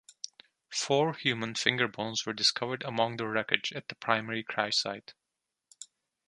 Four human finger bones were discovered among the wreckage at the primary crash site.